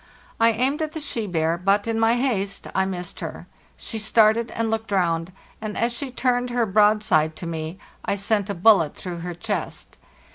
I aimed at the she bear, but, in my haste, I missed her. She started and looked round; and as she turned her broadside to me I sent a bullet through her chest.